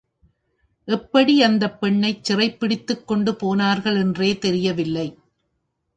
எப்படி அந்தப் பெண்ணைச் சிறைப் பிடித்துக் கொண்டு போனார்கள் என்றே தெரியவில்லை.